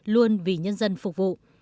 luôn vì nhân dân phục vụ